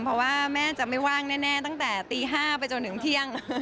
เพราะว่าแม่จะไม่ว่างแน่ตั้งแต่ตี๕ไปจนถึงเที่ยง